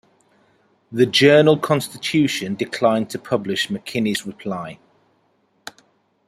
The "Journal-Constitution" declined to publish McKinney's reply.